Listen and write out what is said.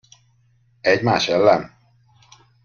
Egymás ellen?